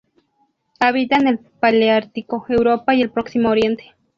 Habita en el paleártico: Europa y el Próximo Oriente.